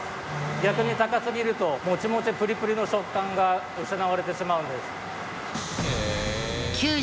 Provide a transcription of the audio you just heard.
逆に高すぎるともちもちプリプリの食感が失われてしまうんです。